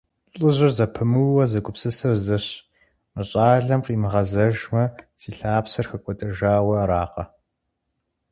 ЛӀыжьыр зэпымыууэ зэгупсысыр зыщ: «Мы щӀалэм къимыгъэзэжмэ, си лъапсэр хэкӀуэдэжауэ аракъэ?».